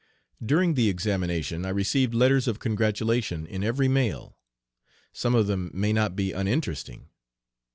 During the examination I received letters of congratulation in every mail. Some of them may not be uninteresting.